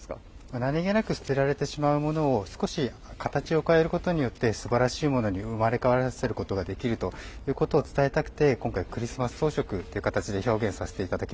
何気なく捨てられてしまうものを、少し形を変えることによって、すばらしいものに生まれ変わらせることができるということを伝えたくて、今回、クリスマス装飾という形で表現させていただき